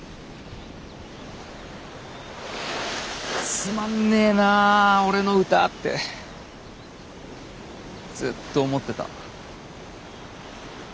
つまんねえなあ俺の歌ってずっと思ってた。